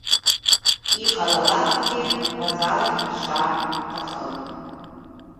Иҟалалаакгьы Базала диԥшаар иҭахын.